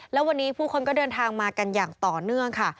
แล้ววันนี้ผู้คนก็เดินทางมากันอย่างต่อเนื่องค่ะ